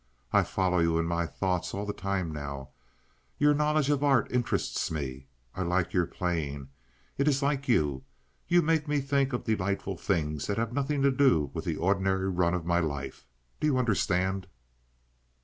I follow you in my thoughts all the time now. Your knowledge of art interests me. I like your playing—it is like you. You make me think of delightful things that have nothing to do with the ordinary run of my life. Do you understand?"